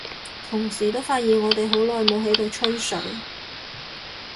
同時都發現我哋好耐冇喺度吹水，